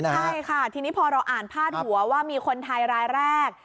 ใช่ค่ะทีนี้พอเราอ่านพาดหัวว่ามีคนไทยรายแรก